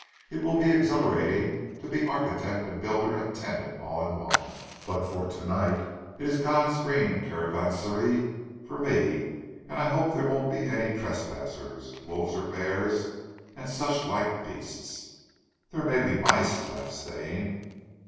It will be exhilarating to be architect and builder and tenant all in one! But for tonight it is 'God's green caravanserai' for me, and I hope there won't be any trespassers, wolves or bears and such like beasts." "There may be mice!" laughed Stane.